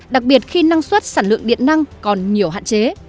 đặc biệt khi năng suất sản lượng điện năng còn nhiều hạn chế